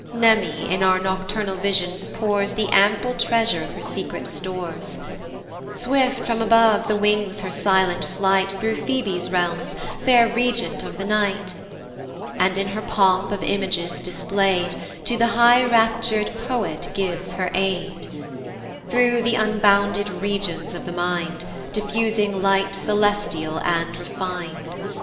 Mneme in our nocturnal visions pours The ample treasure of her secret stores; Swift from above the wings her silent flight Through Phoebe's realms, fair regent of the night; And, in her pomp of images display'd, To the high raptur'd poet gives her aid, Through the unbounded regions of the mind, Diffusing light celestial and refin'd.